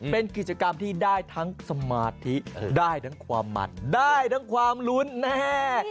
เป็นกิจกรรมที่ได้ทั้งสมาธิได้ทั้งความมันได้ทั้งความลุ้นแน่